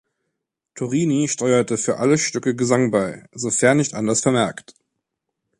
Torrini steuerte für alle Stücke Gesang bei, sofern nicht anders vermerkt.